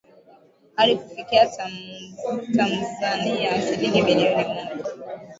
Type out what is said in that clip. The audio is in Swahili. hadi kufikia Tamzania shilingi milioni moja